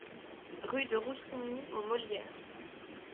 Rue de Roussigny aux Molières